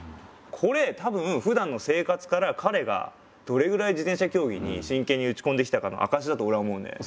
これ多分ふだんの生活から彼がどれぐらい自転車競技に真剣に打ち込んできたかの証しだと俺は思うんだよ。